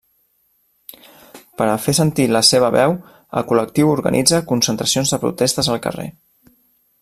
Per a fer sentir la seva veu, el col·lectiu organitza concentracions de protestes al carrer.